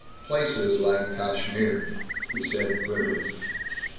"Places like Kashmir," he said clearly.